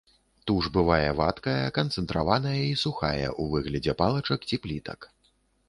Туш бывае вадкая, канцэнтраваная і сухая ў выглядзе палачак ці плітак.